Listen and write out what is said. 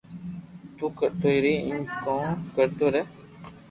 تو ڪرتو رھي ايم ڪوم ڪرتو رھي